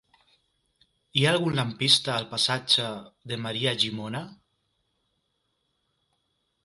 Hi ha algun lampista al passatge de Maria Llimona?